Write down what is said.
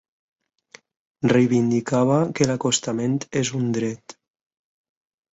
Reivindicava que l'acostament és un dret.